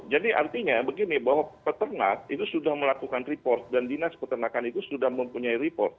jadi artinya begini bahwa peternak itu sudah melakukan report dan dinas peternakan itu sudah mempunyai report